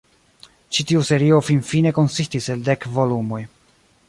Ĉi tiu serio finfine konsistis el dek volumoj.